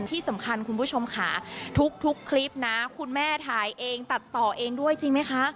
ที่สำคัญคุณผู้ชมค่ะทุกคลิปนะคุณแม่ถ่ายเองตัดต่อเองด้วยจริงไหมคะ